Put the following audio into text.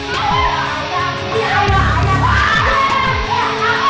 ya allah ya ampun ya allah ya ampun ya allah